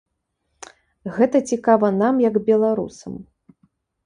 Гэта цікава нам як беларусам.